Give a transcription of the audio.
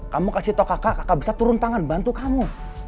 kamu kasih tau kakak kakak bisa turun tangan bantu kamu